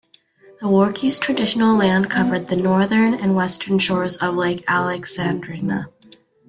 The Warki's traditional land covered the northern and western shores of Lake Alexandrina.